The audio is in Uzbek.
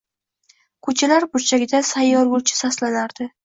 Ko’chalar burchagida sayyor gulchi saslanardi